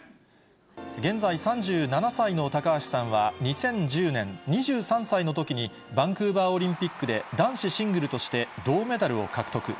現在、３７歳の高橋さんは２０１０年、２３歳のときにバンクーバーオリンピックで男子シングルとして銅メダルを獲得。